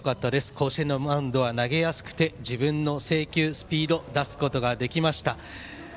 甲子園のマウンドは投げやすくて自分の制球スピードを出せました。